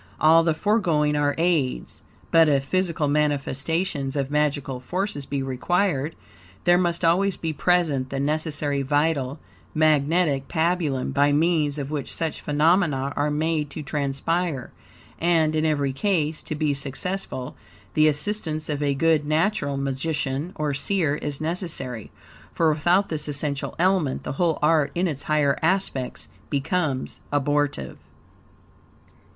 All the foregoing are aids, but if physical manifestations of magical forces be required, there must always be present the necessary vital, magnetic pabulum, by means of which such phenomena are made to transpire; and in every case, to be successful, the assistance of a good natural magician, or seer, is necessary; for without this essential element the whole art, in its higher aspects, becomes abortive.